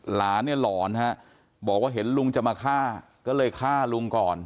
หลานเนี่ยหลอนฮะบอกว่าเห็นลุงจะมาฆ่าก็เลยฆ่าลุงก่อน